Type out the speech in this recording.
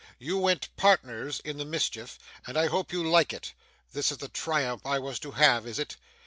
You went partners in the mischief, and I hope you like it. This is the triumph I was to have, is it?